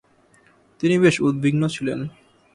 তিনি বেশ উদ্বিগ্ন ছিলেন।